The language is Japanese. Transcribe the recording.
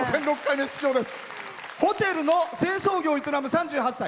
ホテルの清掃業を営む３８歳。